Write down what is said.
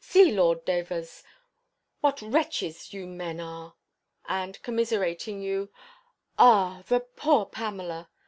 See, Lord Davers, what wretches you men are!" And, commiserating you, "Ah! the poor Pamela!"